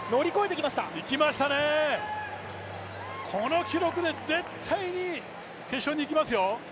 いきましたね、この記録で絶対に決勝にいきますよ。